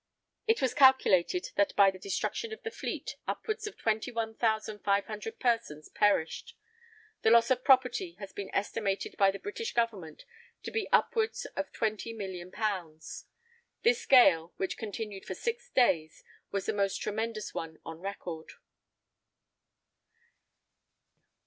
It was calculated that by the destruction of the fleet, upwards of twenty one thousand five hundred persons perished. The loss of property has been estimated by the British Government to be upwards of £20,000,000. The gale, which continued for six days, was the most tremendous one on record.